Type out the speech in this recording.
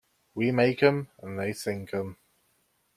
"We make'em and they sink'em".